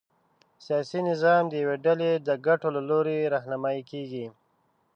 سیاسي نظام د یوې ډلې د ګټو له لوري رهنمايي کېږي.